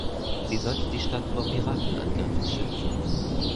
Sie sollte die Stadt vor Piratenangriffen schützen.